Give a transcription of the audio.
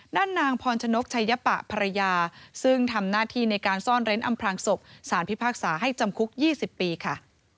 นางพรชนกชัยปะภรรยาซึ่งทำหน้าที่ในการซ่อนเร้นอำพลางศพสารพิพากษาให้จำคุก๒๐ปีค่ะ